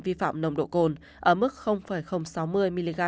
vi phạm nồng độ cồn ở mức sáu mươi mg